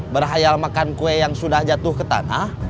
berhayal makan kue yang sudah jatuh ke tanah